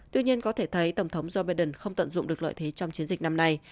tuy nhiên có thể thấy tổng thống joe biden không tận dụng được lợi thế trong chiến dịch năm nay